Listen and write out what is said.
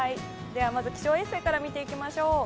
まず気象衛星から見ていきましょう。